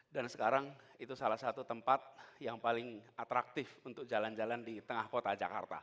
dan sekarang itu salah satu tempat yang paling atraktif untuk jalan jalan di tengah kota jakarta